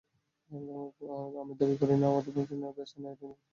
তাই আমি দাবি করি না, আমাদের ব্যাংকিং ব্যবস্থায় আইটি নিরাপত্তা পুরোপুরি সুরক্ষিত।